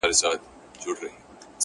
څلوريځه،